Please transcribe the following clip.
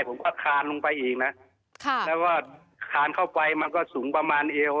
ผมก็คานลงไปอีกนะค่ะแล้วก็คานเข้าไปมันก็สูงประมาณเอว